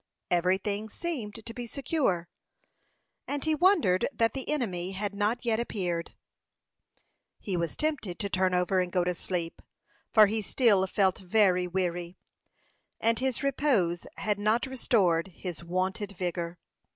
Every thing seemed to be secure, and he wondered that the enemy had not yet appeared. He was tempted to turn over and go to sleep, for he still felt very weary, and his repose had not restored his wonted vigor.